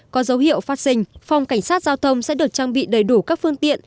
có dấu hiệu phát sinh phòng cảnh sát giao thông sẽ được trang bị đầy đủ các phương tiện